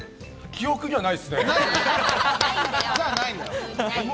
記憶には、ないですね。